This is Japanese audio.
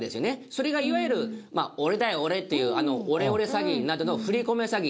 それがいわゆる「俺だよ俺」というオレオレ詐欺などの振り込め詐欺。